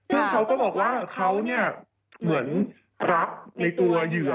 แล้วเขาก็บอกว่าเขาเหมือนรับในตัวเหยื่อ